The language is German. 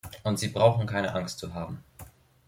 Und Sie brauchen keine Angst zu haben.